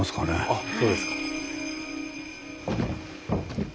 あそうですか。